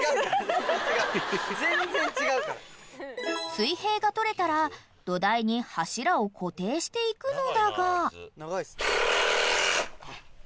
［水平が取れたら土台に柱を固定していくのだが］